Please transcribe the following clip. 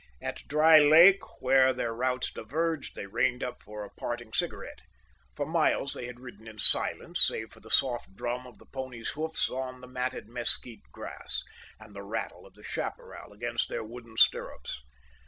At Dry Lake, where their routes diverged, they reined up for a parting cigarette. For miles they had ridden in silence save for the soft drum of the ponies' hoofs on the matted mesquite grass, and the rattle of the chaparral against their wooden stirrups.